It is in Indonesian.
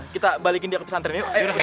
kita balikin dia ke pesantren yuk